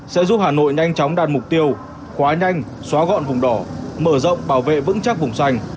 sẽ giúp hà nội nhanh chóng đạt mục tiêu quá nhanh xóa gọn vùng đỏ mở rộng bảo vệ vững chắc vùng xanh